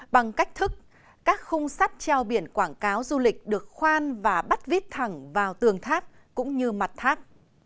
bằng cách thức các khung sắt treo biển quảng cáo du lịch được khoan và bắt vít thẳng vào tường tháp cũng như mặt tháp